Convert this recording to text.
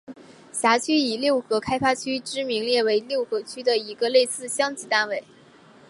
辖区以六合开发区之名列为六合区的一个类似乡级单位。